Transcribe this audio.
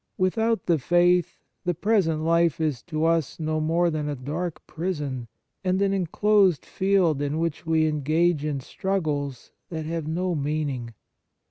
Without the faith the present life is to us no more than a dark prison, and an enclosed field in which we engage in struggles that have no meaning.